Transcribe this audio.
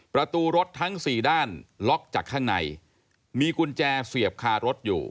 ประตูรถทั้งสี่ด้านล็อกจากข้างในมีกุญแจเสียบคารถอยู่